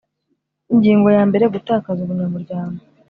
Ingingo yambere Gutakaza Ubunyamuryango